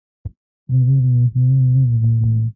جګړه د ماشومانو لوبې بندوي